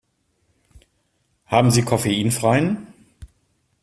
Haben Sie koffeinfreien?